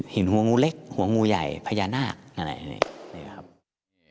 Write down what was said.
หินหัวงูเล็กหัวงูใหญ่พญานาคอะไรแบบนี้